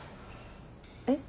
えっ？